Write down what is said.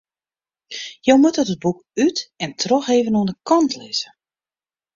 Je moatte dat boek út en troch even oan de kant lizze.